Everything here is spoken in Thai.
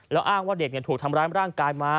แล้วอ้างว่าเด็กถูกทำร้ายร่างกายมา